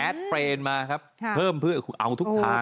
เฟรนด์มาครับเพิ่มเพื่อเอาทุกทาง